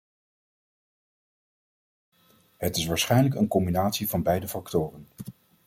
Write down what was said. Het is waarschijnlijk een combinatie van beide factoren.